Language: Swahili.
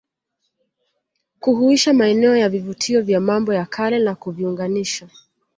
kuhuisha maeneo ya vivutio vya mambo ya Kale na kuviunganisha